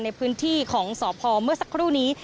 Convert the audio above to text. ในพื้นที่ของสพเมื่อสักครู่นี้